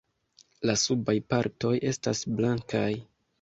La subaj partoj estas blankaj.